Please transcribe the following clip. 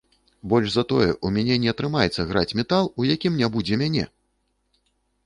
Больш за тое, у мяне не атрымаецца граць метал, у якім не будзе мяне!